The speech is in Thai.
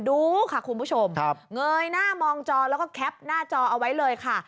ดูค่ะคุณผู้ชมเงยหน้ามองจอแล้วก็แคปหน้าจอเอาไว้เลยค่ะ